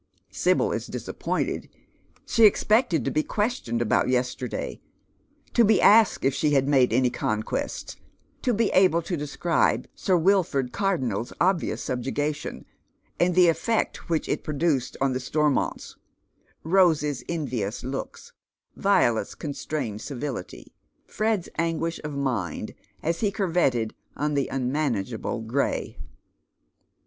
Sibyl is disappointed. She expected to be questioned about yesterday, to be asked if she had made any conquests, to be able to describe Sir Wilford Cardonnel's obvious subjugation, and the effect which it produced on the Stormonts, — Rose's envious looks, Violet's constrained civility, Fred's anguish of mind as he curveted on the unmanageable gray.